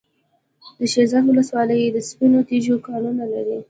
د شیرزاد ولسوالۍ د سپینو تیږو کانونه لري.